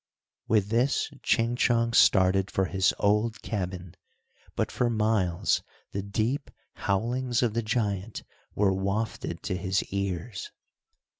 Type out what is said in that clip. With this Ching Chong started for his old cabin, but for miles the deep howlings of the giant were wafted to his ears.